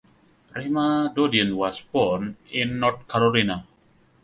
Reema Dodin was born in North Carolina.